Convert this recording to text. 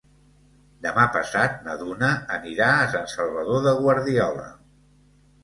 Demà passat na Duna anirà a Sant Salvador de Guardiola.